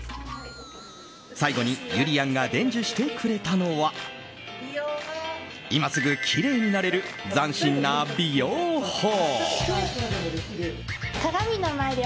最後にゆりやんが伝授してくれたのは今すぐきれいになれる斬新な美容法。